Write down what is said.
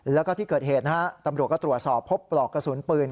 แล้วก็ที่เกิดเหตุนะฮะตำรวจก็ตรวจสอบพบปลอกกระสุนปืน